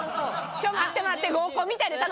ちょっと待って待って。